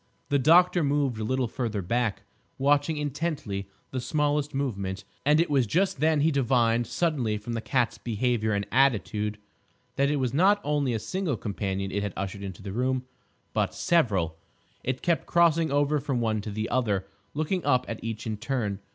The doctor moved a little farther back, watching intently the smallest movement, and it was just then he divined suddenly from the cat's behaviour and attitude that it was not only a single companion it had ushered into the room, but several. It kept crossing over from one to the other, looking up at each in turn.